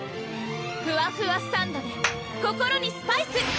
ふわふわサンドｄｅ心にスパイス！